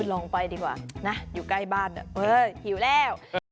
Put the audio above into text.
ลองไปดีกว่านะอยู่ใกล้บ้านเออหิวแล้ว